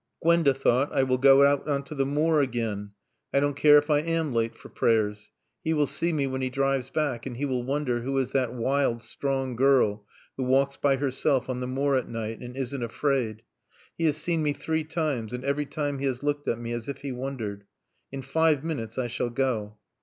Gwenda thought, "I will go out on to the moor again. I don't care if I am late for Prayers. He will see me when he drives back and he will wonder who is that wild, strong girl who walks by herself on the moor at night and isn't afraid. He has seen me three times, and every time he has looked at me as if he wondered. In five minutes I shall go."